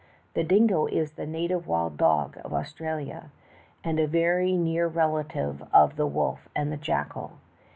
The dingo is' the native wild dog of Australia, and a very near relative of the wolf and the jackal.